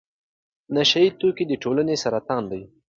نشه يي توکي د ټولنې سرطان دی.